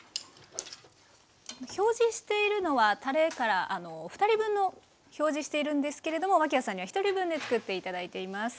表示しているのはたれから２人分の表示しているんですけれども脇屋さんには１人分で作って頂いています。